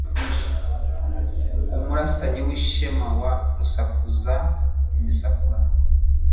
Umurasanyi w' ishema wa rushenguzamisakura